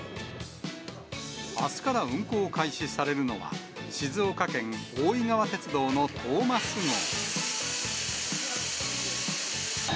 あすから運行開始されるのは、静岡県大井川鉄道のトーマス号。